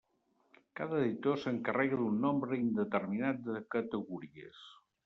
Cada editor s'encarrega d'un nombre indeterminat de categories.